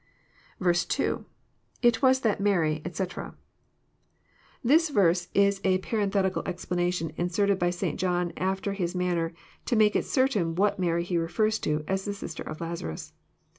%— [it toas that Mary, etc.'] This verse is a parenthetical explana tion inserted by St. John after his manner, to make it certain what Mary he refers to, as the sister of Lazarus.